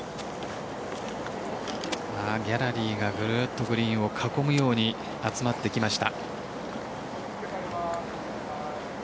ギャラリーがぐるっとグリーンを囲むように集まってきました。